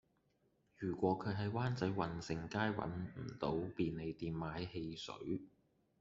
如果佢喺灣仔運盛街搵唔到便利店買汽水